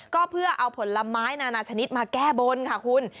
ก็เพื่อเอาผลไม้นานาชนิดมาแก้บนค่ะคุณ